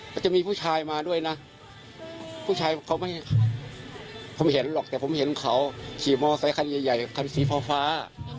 ก็จะมีผู้ชายมาด้วยนะผู้ชายเขาไม่ผมเห็นหรอกแต่ผมเห็นเขาขี่มอเซคันใหญ่คันสีฟ้า